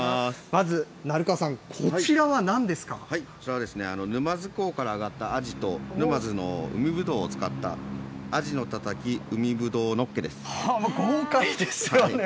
まず成川さん、こちらはなんこちらは、沼津港から揚がったアジと沼津の海ぶどうを使った、アジのたたきうみぶどうのっけで豪快ですよね。